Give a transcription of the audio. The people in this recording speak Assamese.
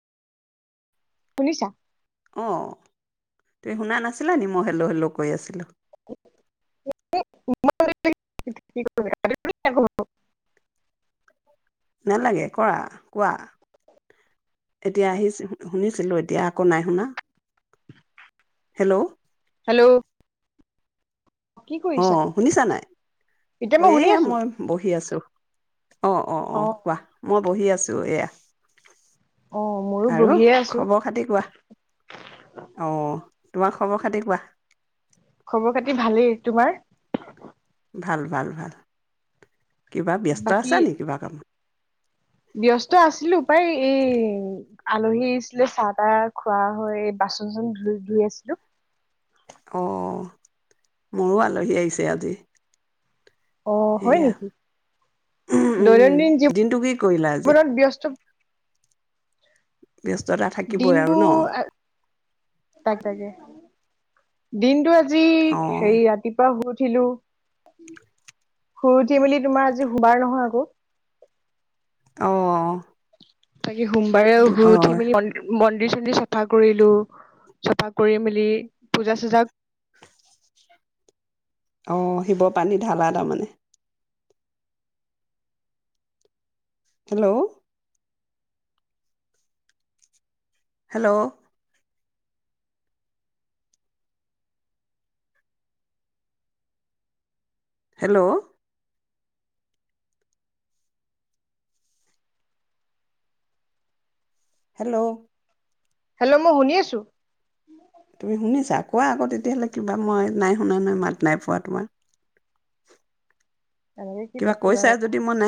শুনিছা অঁ তুমি শুনা নাছিলা নি মই হেলল' হেল্ল' কৈ আছিলোঁ [unintelligible] নালাগে কৰা কোৱা এতিয়া আহি শুনিছিলো এতিয়া আৌ নাই শুনা হেল্ল' হেল্ল' কি অ কৰিছা শুনিছা নাই এতিয়া অ শুনি এয়া আছো মই বহি আছো অ অ অ কোৱা মই বহি আছো ত এয়া অ ময়ো আৰু বহিয়ে আছো খবৰ খাতি কোৱা আহ তোমাৰ খবৰ খাতি কোৱা খবৰ খাতি ভালেই তোমাৰ ভাল ভাল ভাল কিবা ব্যস্ত বাকী আছা নি কিবা কামত ব্যস্ত আছিলো প্ৰাই এই আলহীছিলে চাহ তাহ খোৱা হয় বাচন চাচন ধুই ধুই আছিলো অ মোৰো আলহী আহিছে আজি। অ, হয় সেয়া নেকি উম, [inaudible] উম, দৈনন্দি জীৱ দিনটো কি কৰিলা আজি? জীৱনত ব্যস্ত ব্যস্ততা থাকিবই আৰু ন, তাকে তাকে [inaudible] দিনটো আজি অ', সে ৰাতিপুৱা সুত উঠিলো, শুই উঠি মেলি তোমাৰ আজি শুবাৰ নহয় আকৌ। আহ তাকি সোমবাৰে শুই উঠি মেলি [unintelligible] ুি চুন্দি চাফা কৰিলো, চাফা কৰি মেলি পূজা চজা [inaudible] অ, শিৱৰ পানী ঢালা তাৰমানে hello hello hello hello hello মই শুনি আছো। তুমি শুনিছা আ, কোৱা আকৌ তেতিয়াহ'লে কিবা মই নাই শুনা নহয় মাত নাই পোৱা তোমাৰ। এনেকে কি কিবা পাতিবা কৈছা আৰু যদি মই নাই